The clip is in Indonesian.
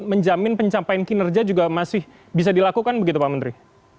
menjamin pencapaian kinerja juga masih bisa dilakukan begitu pak menteri